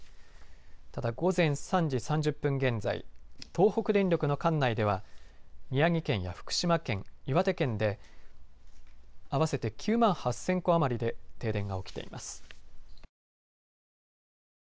ただ午前３時３０分現在東北電力の管内では宮城県や福島県岩手県で合わせて９万８０００戸余りで停電が起きています。